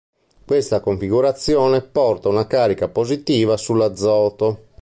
Questa configurazione porta una carica positiva sull'azoto.